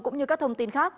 cũng như các thông tin khác